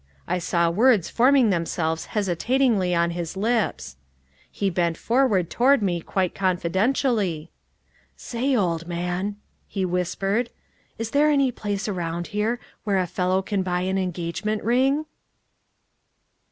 I saw words forming themselves hesitatingly on his lips ... he bent toward me quite confidentially.... "Say, old man," he whispered, "is there any place around here where a fellow can buy an engagement ring?"